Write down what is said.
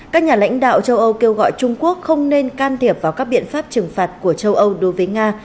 các nhà lãnh đạo châu âu kêu gọi trung quốc không nên can thiệp vào các biện pháp trừng phạt của châu âu đối với nga